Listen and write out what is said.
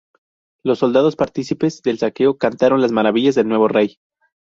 Los soldados, partícipes del saqueo, cantaron las maravillas del nuevo virrey.